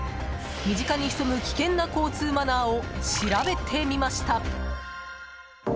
身近に潜む危険な交通マナーを調べてみました。